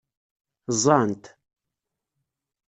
Ẓẓɛen-t.